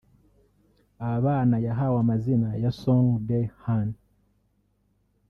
Aba bana yahawe amazina ya “Song” Dae Han